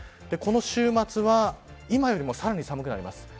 この週末は今よりも、さらに寒くなります。